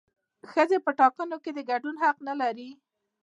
ښځې په ټاکنو کې د ګډون حق نه لري